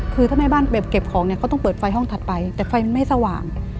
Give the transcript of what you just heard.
คือทำไมแม่บ้านเก็บของเนี่ยเขาต้องเปิดไฟห้องถัดไปแต่ไฟไม่สว่าง